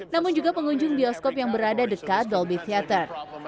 namun juga pengunjung bioskop yang berada dekat dolby theater